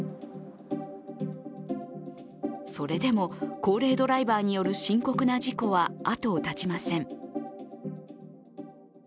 それでも高齢ドライバーによる深刻な事故は後を絶ちません。